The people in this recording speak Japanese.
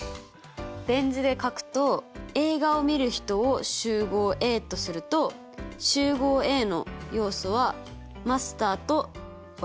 ベン図で書くと映画をみる人を集合Ａとすると集合Ａの要素はマスターと私。